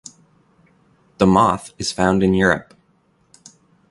The moth is found in Europe.